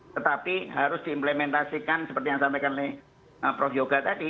tetapi harus diimplementasikan seperti yang sampaikan prof yoga tadi